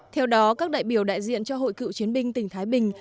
theo đó các đại biểu đại diện cho hội cựu chiến binh tỉnh thái bình